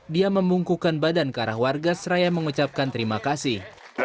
dia membungkukan badan ke arah warga seraya mengucapkan terima kasih